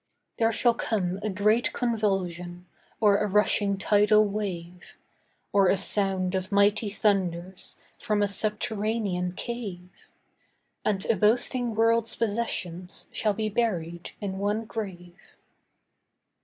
There shall come a great convulsion Or a rushing tidal wave, Or a sound of mighty thunders From a subterranean cave, And a boasting world's possessions Shall be buried in one grave.